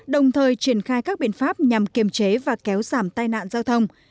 đồng thời triển khai các biện pháp nhằm kiềm chế và kéo giảm tai nạn giao thông